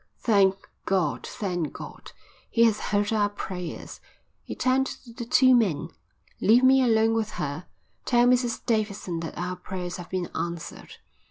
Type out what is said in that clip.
"Thank God! thank God! He has heard our prayers." He turned to the two men. "Leave me alone with her. Tell Mrs Davidson that our prayers have been answered."